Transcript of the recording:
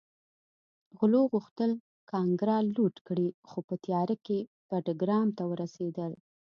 غلو غوښتل کانګړه لوټ کړي خو په تیاره کې بټګرام ته ورسېدل